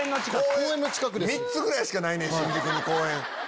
３つぐらいしかない新宿に公園。